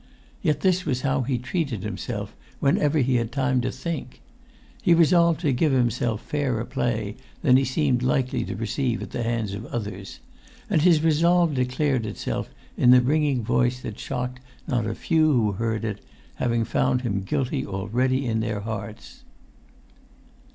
Yet this was how he treated himself, whenever he had time to think! He resolved to give himself fairer play than he seemed likely to receive at the hands of others; and his resolve declared itself in the ringing voice that shocked not a few who heard it, having found him guilty already in their hearts.